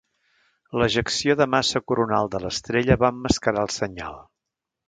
L'ejecció de massa coronal de l'estrella va emmascarar el senyal.